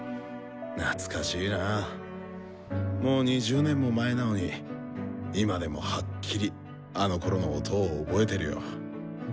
懐かしいなぁもう２０年も前なのに今でもはっきりあのころの音を覚えてるよ。